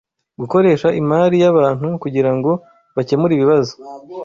Gukoresha imari yabantu kugirango bakemure ibibazo